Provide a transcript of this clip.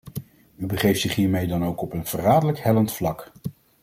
U begeeft zich hiermee dan ook op een verraderlijk hellend vlak.